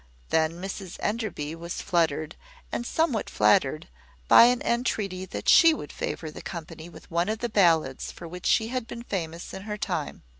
Then Mrs Enderby was fluttered, and somewhat flattered, by an entreaty that she would favour the company with one of the ballads, for which she had been famous in her time.